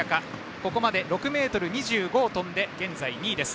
ここまで６ｍ２５を跳んで現在２位です。